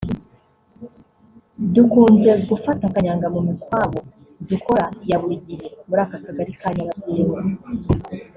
“Dukunze gufata kanyanga mu mikwabo dukora ya buri gihe muri aka Kagari ka Nyabagendwa